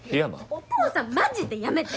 お父さんマジでやめて！